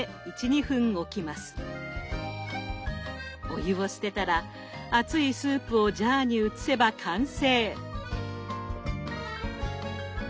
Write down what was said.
お湯を捨てたら熱いスープをジャーに移せば完成。